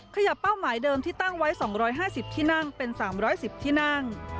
เป้าหมายเดิมที่ตั้งไว้๒๕๐ที่นั่งเป็น๓๑๐ที่นั่ง